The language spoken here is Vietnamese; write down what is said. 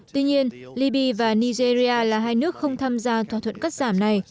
tuy nhiên libya và nigeria là hai nước không tham gia thỏa thuận cắt giảm này